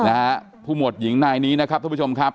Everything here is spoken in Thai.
นะฮะผู้หมวดหญิงนายนี้นะครับทุกผู้ชมครับ